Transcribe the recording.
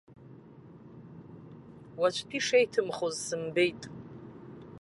Уаҵәтәи шеиҭымхоз сымбеит!